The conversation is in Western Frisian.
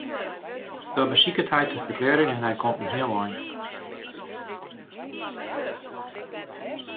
Dat besiket hy te ferklearjen en hy komt in heel ein.